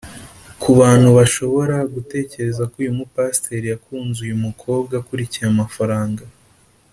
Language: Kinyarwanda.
Ku bantu bashobora gutekereza ko uyu mupasiteri yakunze uyu mukobwa akurikiye amafaranga